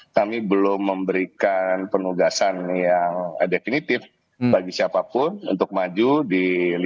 kami belum memberikan penugasan yang definitif bagi siapapun untuk maju di lima ratus empat puluh lima